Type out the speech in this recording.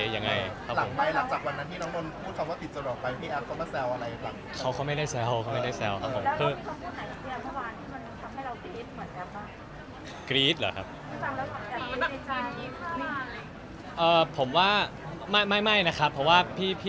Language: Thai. หลังไปหลังจากวันนั้นที่เนอะนวนเป็นว่าติดจนออกไปพี่แอ๊บก็ไม่แซวอะไรค่ะ